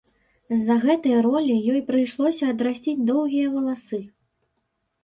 З-за гэтай ролі ёй прыйшлося адрасціць доўгія валасы.